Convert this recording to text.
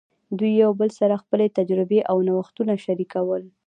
دوی یو بل سره خپلې تجربې او نوښتونه شریکول.